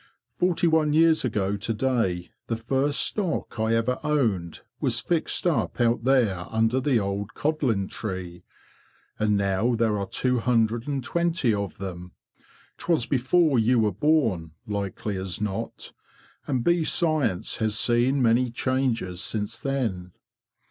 '' Forty one years ago to day the first stock I ever owned was fixed up out there under the old codlin tree; and now there are two hundred and twenty of them. 'Twas before you were born, likely as not; and bee science has seen many changes since then.